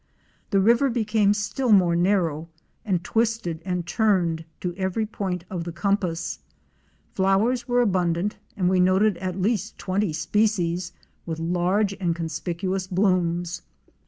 The river became still more narrow, and twisted and turned to every point of the compass. Flowers were abundant and we noted at least twenty species with large and conspicuous blooms.